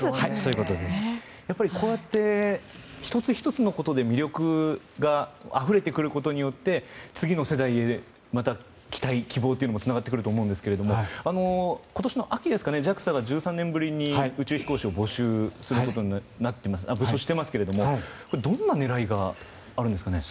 やっぱり、こうやって１つ１つのことで魅力があふれてくることによって次の世代へまた期待、希望というのもつながってくると思うんですけれども今年の秋ＪＡＸＡが１３年ぶりに宇宙飛行士を募集していますけどもどんな狙いがあるんですかね？